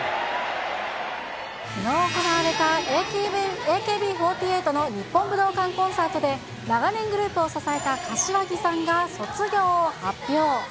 きのう行われたＡＫＢ４８の日本武道館コンサートで、長年グループを支えた柏木さんが卒業を発表。